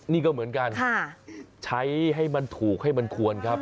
นี่ก็เหมือนกันใช้ให้มันถูกให้มันควรครับ